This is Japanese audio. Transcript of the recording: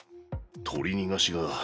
取り逃がしが。